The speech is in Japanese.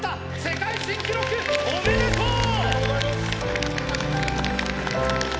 世界新記録おめでとう！